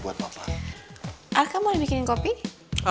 bagaimana cerita suamika